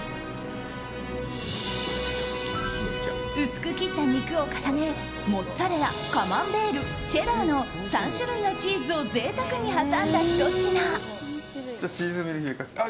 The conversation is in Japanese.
薄く切った肉を重ねモッツァレラ、カマンベールチェダーの３種類のチーズを贅沢に挟んだ、ひと品。